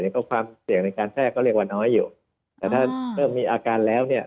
ก็ความเสี่ยงในการแทรกก็เรียกว่าน้อยอยู่แต่ถ้าเริ่มมีอาการแล้วเนี่ย